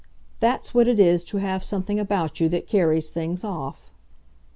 That's what it is to have something about you that carries things off."